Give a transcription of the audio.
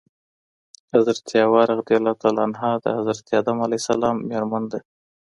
حضرت حواء رضي الله عنه د حضرت آدم عليه السلام ميرمن ده